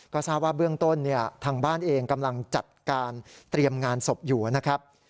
ก็ทราบว่าเบื้องต้นเนี่ยทางบ้านเองกำลังจัดการเตรียมงานศพอยู่นะครับ